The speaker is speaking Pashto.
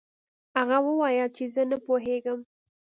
هغه وویل چې زه نه پوهیږم.